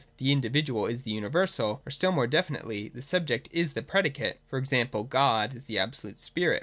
The indi vidual is the universal, or still more definitely, The sub ject is the predicate : (e.g. God is absolute spirit).